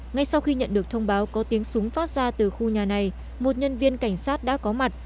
ngay sau khi nhận được thông báo có tiếng súng phát ra từ khu nhà này một nhân viên cảnh sát đã có mặt